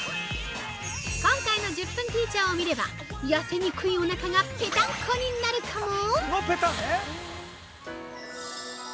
今回の１０分ティーチャーを見れば、痩せにくいおなかがペタンコになるかも！？